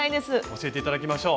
教えて頂きましょう。